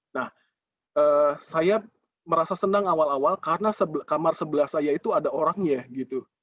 nah saya merasa senang awal awal karena kamar sebelah saya itu ada orangnya gitu